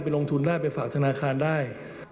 ลงทุนได้ไปฝากธนาคารได้